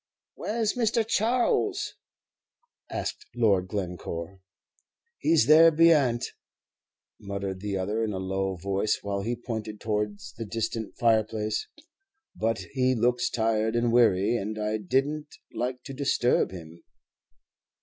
"Where's Mr. Charles?" asked Lord Glencore. "He's there beyant," muttered the other, in a low voice, while he pointed towards the distant fireplace; "but he looks tired and weary, and I did n't like to disturb him."